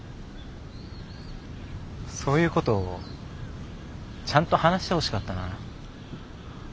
そういうことちゃんと話してほしかったな。